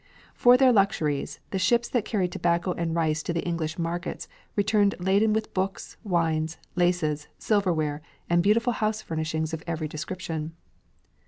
For their luxuries, the ships that carried tobacco and rice to the English markets returned laden with books, wines, laces, silverware, and beautiful house furnishings of every description.